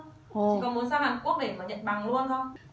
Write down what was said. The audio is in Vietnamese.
chị còn muốn sang hàn quốc để mà nhận bằng luôn thôi